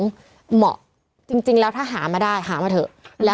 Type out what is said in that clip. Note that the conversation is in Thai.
เพื่อไม่ให้เชื้อมันกระจายหรือว่าขยายตัวเพิ่มมากขึ้น